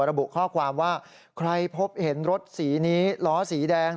ระบุข้อความว่าใครพบเห็นรถสีนี้ล้อสีแดง